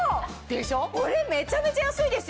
これめちゃめちゃ安いですよ。